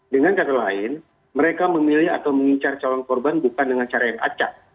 dengan kata lain mereka memilih atau mengincar calon korban bukan dengan cara yang acak